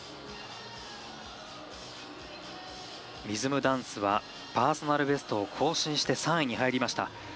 リズムダンスはパーソナルベストを更新して３位に入りました。